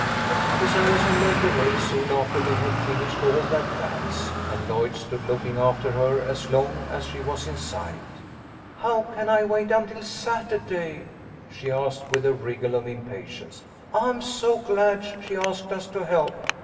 Miss Allison went away soon, after they had fin 142 THE LITTLE COLONEL'S HOLIDAYS. ished all their plans, and Lloyd stood looking after her as long as she was in sight. " How can I wait until Saturday ?" she asked, with a wriggle of impatience. "I'm so glad she asked us to help.